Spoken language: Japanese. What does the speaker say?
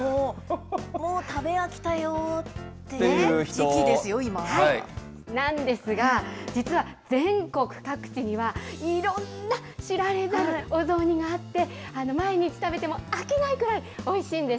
もう食べ飽きたよって時期ですよ、なんですが、実は全国各地には、いろんな知られざるお雑煮があって、毎日食べても飽きないくらい、おいしいんです。